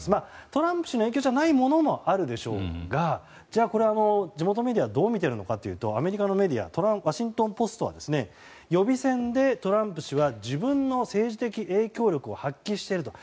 トランプ氏の影響じゃないものもあるでしょうがじゃあこれは、地元メディアはどう見ているかというとアメリカのメディアワシントン・ポストは予備選でトランプ氏は自分の政治的影響力を発揮していると。